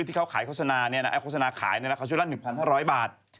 ที่เขาขายโฆษณาโฆษณาขายในราคาชุดละ๑๕๐๐บาท